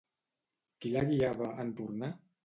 Qui la guiava, en tornar?